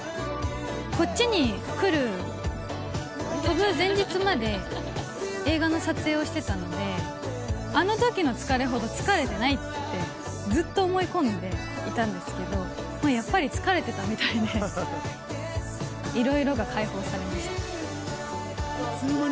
こっちに来る、飛ぶ前日まで、映画の撮影をしてたので、あのときの疲れほど疲れてないって、ずっと思い込んでいたんですけど、まあやっぱり疲れてたみたいで、いろいろが開放されました。